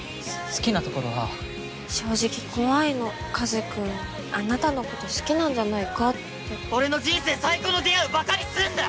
好きなところは正直怖いの和くんあなたのこと好きなんじゃないかって俺の人生最高の出会いをバカにすんな！